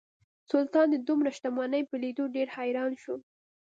سلطان د دومره شتمنۍ په لیدو ډیر حیران شو.